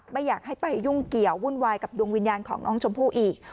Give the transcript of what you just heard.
ไม่อยากให้ไปยุ่งเกี่ยววุ่นวายกับดวงวิญญาณของน้องชมพู่อีก